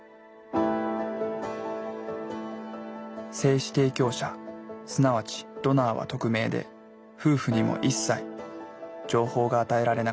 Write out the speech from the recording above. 精子提供者すなわちドナーは匿名で夫婦にも一切情報が与えられなかった。